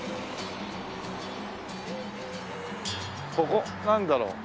ここなんだろう？